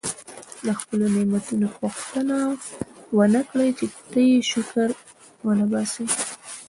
د خپلو نعمتونو پوښتنه ونه کړي چې ته یې شکر نه وباسې.